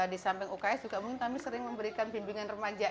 di samping uks juga mungkin kami sering memberikan bimbingan remaja